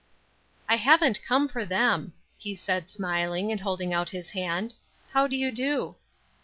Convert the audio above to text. "I haven't come for them," he said smiling and holding out his hand! "How do you do?"